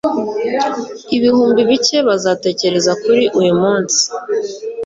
Ibihumbi bike bazatekereza kuri uyumunsi